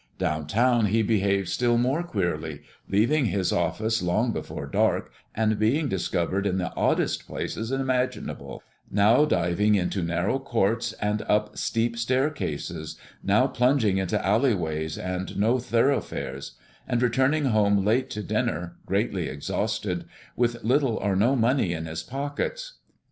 Down town he behaved still more queerly, leaving the office long before dark, and being discovered in the oddest places imaginable; now diving into narrow courts, and up steep staircases, now plunging into alleyways and no thoroughfares; and returning home late to dinner, greatly exhausted, with little or no money in his pockets.